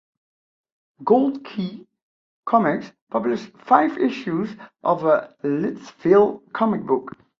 Gold Key Comics published five issues of a "Lidsville" comic book.